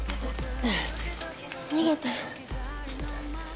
逃げて。